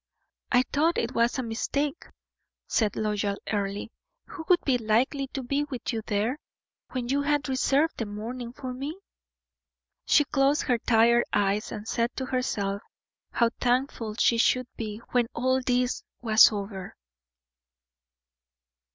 "I thought it was a mistake," said loyal Earle. "Who would be likely to be with you there, when you had reserved the morning for me?" She closed her tired eyes, and said to herself how thankful she should be when all this was over.